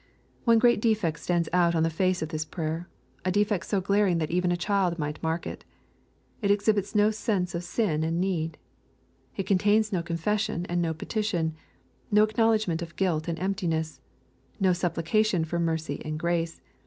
One great defect stand. SL aut on the face of this prayer, — a defect so glaring that even^'^ ^hild might mark it. It exhibits no sense^of sin and need. . It contains no confession and no petition, — no acknowledgment of guilt and emptiness, — no supplication for mercy and grace.